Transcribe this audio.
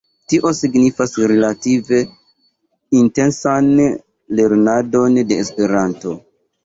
Tio signifas relative intensan lernadon de Esperanto.